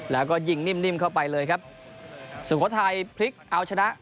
แล้วก็ยิงนิ่มเข้าไปเลยครับสุโขทัยพลิกเอาชนะ